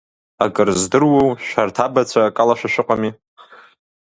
Акыр здыруоу, шәарҭ абацәа акалашәа шәыҟами.